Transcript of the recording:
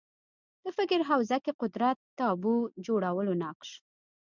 د فکر حوزه کې قدرت تابو جوړولو نقش